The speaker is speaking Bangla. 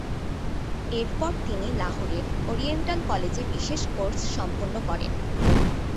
এরপর তিনি লাহোরের ওরিয়েন্টাল কলেজে বিশেষ কোর্স সম্পন্ন করেন।